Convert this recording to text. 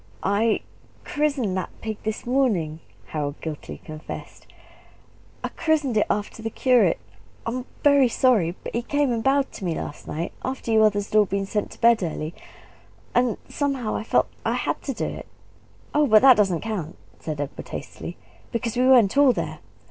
"I I christened that pig this morning," Harold guiltily confessed; "I christened it after the curate. I'm very sorry but he came and bow'ed to me last night, after you others had all been sent to bed early and somehow I felt I HAD to do it!" "Oh, but that doesn't count," said Edward hastily; "because we weren't all there.